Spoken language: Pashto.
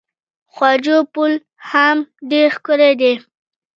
خواجو پل هم ډیر ښکلی دی.